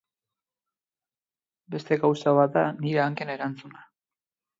Beste gauza bat da nire hanken erantzuna.